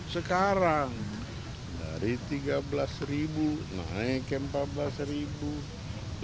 sekarang dari tiga belas naik ke empat belas